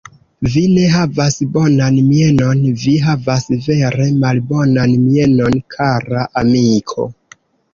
Vi ne havas bonan mienon; vi havas vere malbonan mienon, kara amiko.